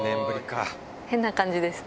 変な感じですね。